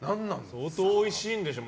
相当、おいしいんでしょうね